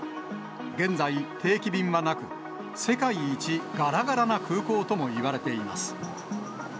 現在、定期便はなく、世界一がらがらな空港ともいわれています。